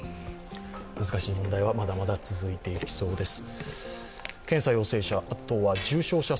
難しい問題はまだまだ続いていきそうです。